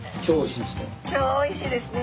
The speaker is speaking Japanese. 超おいしいんですよ！